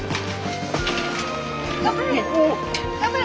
頑張れ！